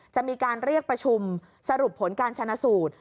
จะมีการเรียกประชุมสรุปผลการชนะสูตร